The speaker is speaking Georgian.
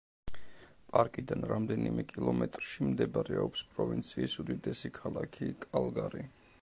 პარკიდან რამდენიმე კილომეტრში მდებარეობს პროვინციის უდიდესი ქალაქი კალგარი.